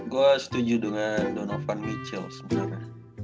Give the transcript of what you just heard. gue setuju dengan donovan mitchell sebenernya